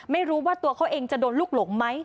ไม่รู้ว่าตัวเขาเองจะโดนลูกหลงไหม